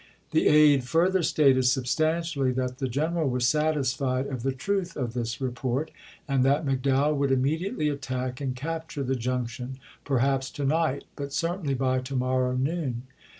The aide further stated substantially that the general was satisfied of the truth of this report, and that McDowell would immediately attack and capture the Junction, perhaps to night, but cer tainly by to morrow noon.